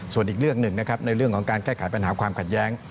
ส่วนอีกเรื่องหนึ่งนะครับในเรื่องของการแก้ไขปัญหาความขัดแย้ง